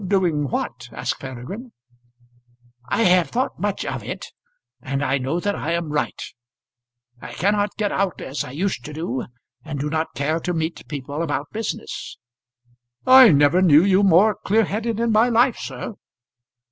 "Doing what?" asked Peregrine. "I have thought much of it, and I know that I am right. I cannot get out as I used to do, and do not care to meet people about business." "I never knew you more clear headed in my life, sir."